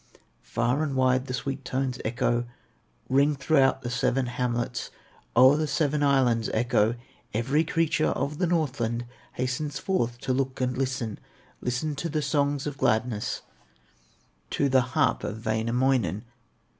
Far and wide the sweet tones echo, Ring throughout the seven hamlets, O'er the seven islands echo; Every creature of the Northland Hastens forth to look and listen, Listen to the songs of gladness, To the harp of Wainamoinen.